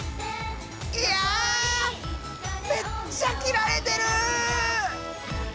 いやめっちゃ切られてる！